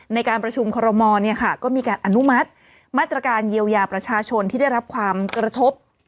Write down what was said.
ในการประชุมคอรมอลก็มีการอนุมัติมาตรการเยียวยาประชาชนที่ได้รับความกระทบ